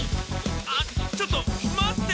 あっちょっと待って！